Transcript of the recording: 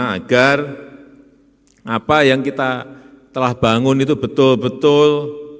agar apa yang kita telah bangun itu betul betul